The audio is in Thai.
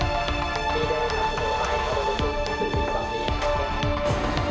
ดีที่การชื่นด้วยสนุนสนุนโดยโอลี่คัมรี่